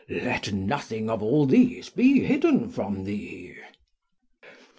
Let nothing of all these be hidden from thee.